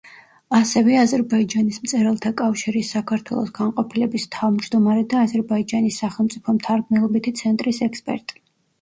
ასევე აზერბაიჯანის მწერალთა კავშირის საქართველოს განყოფილების თავმჯდომარე და „აზერბაიჯანის სახელმწიფო მთარგმნელობითი ცენტრის“ ექსპერტი.